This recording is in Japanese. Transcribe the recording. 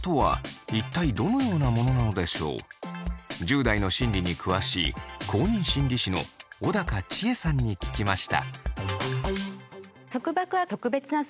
１０代の心理に詳しい公認心理師の小高千枝さんに聞きました。